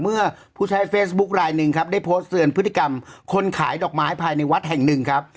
เมื่อผู้ใช้เฟซบุ๊คลายหนึ่งครับได้โพสต์เตือนพฤติกรรมคนขายดอกไม้ภายในวัดแห่งหนึ่งครับ